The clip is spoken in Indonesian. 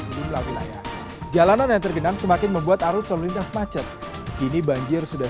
sejumlah wilayah jalanan yang tergenang semakin membuat arus lalu lintas macet kini banjir sudah